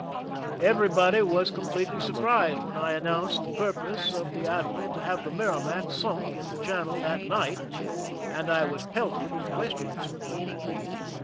Everybody was completely surprised when I announced the pur pose of the admiral to have the Merrimac sunk in the channel that night, and I was pelted with questions.